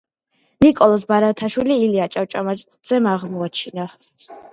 ნიკოლოზ ბარათაშვილი ილია ჭავჭავაძემ აღმოაჩინა